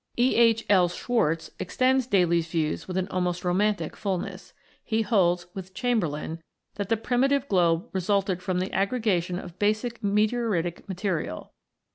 E. H. L. Schwarz(82) extends Daly's views with an almost romantic fulness. He holds, with Chamberlin, that the primitive globe resulted from the aggrega tion of basic meteoritic material.